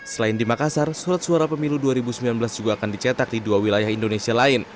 selain di makassar surat suara pemilu dua ribu sembilan belas juga akan dicetak di dua wilayah indonesia lain